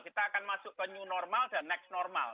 kita akan masuk ke new normal dan next normal